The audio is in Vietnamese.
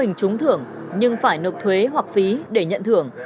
thông báo mình trúng thưởng nhưng phải nộp thuế hoặc phí để nhận thưởng